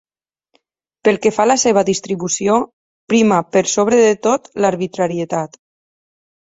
Pel que fa a la seva distribució, prima per sobre de tot l'arbitrarietat.